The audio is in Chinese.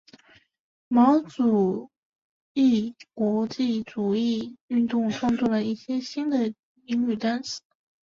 毛主义国际主义运动创作了一些新的英语单词。